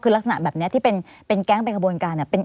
คือลักษณะแบบนี้ที่เป็นแก๊งเป็นขบวนการ